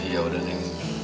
ya udah neng